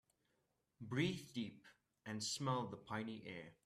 Breathe deep and smell the piny air.